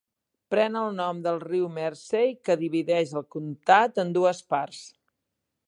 Pren el nom del riu Mersey que divideix el comtat en dues parts.